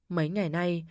mấy ngày nay